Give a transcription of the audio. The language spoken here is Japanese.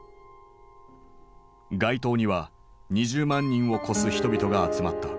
街頭には２０万人を超す人々が集まった。